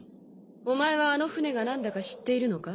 お前はあの船が何だか知っているのか？